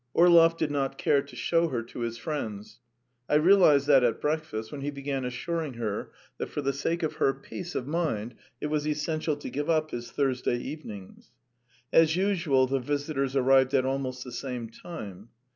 Orlov did not care to show her to his friends. I realised that at breakfast, when he began assuring her that for the sake of her peace of mind it was essential to give up his Thursday evenings. As usual the visitors arrived at almost the same time.